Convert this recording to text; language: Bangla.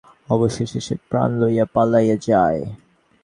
অবশেষে সে প্রাণ লইয়া পলাইয়া যায়।